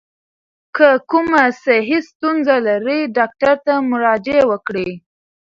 که کومه صحي ستونزه لرئ، ډاکټر ته مراجعه وکړئ.